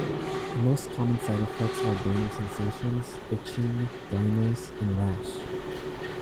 The most common side effects are burning sensations, itching, dryness, and rash.